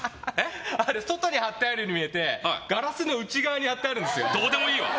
あれ外に貼ってるように見えてガラスの内側に貼ってあるんですよ。